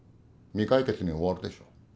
未解決に終わるでしょう。